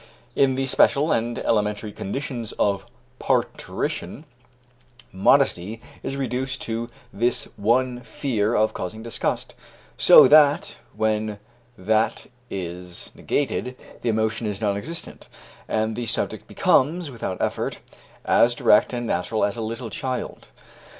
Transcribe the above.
In the special and elementary conditions of parturition, modesty is reduced to this one fear of causing disgust; so that, when that is negated, the emotion is non existent, and the subject becomes, without effort, as direct and natural as a little child.